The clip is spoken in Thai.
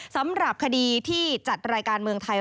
สำหรับคดีที่จัดรายการเมืองไทย